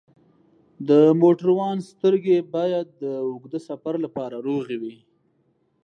د موټروان سترګې باید د اوږده سفر لپاره روغې وي.